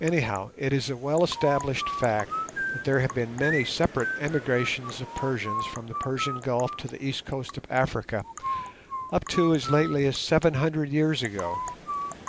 Anyhow, it is a well established fact that there have been many separate emigrations of Persians from the Persian Gulf to the east coast of Africa up to as lately as seven hundred years ago.